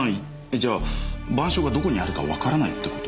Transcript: じゃあ『晩鐘』がどこにあるかわからないってこと？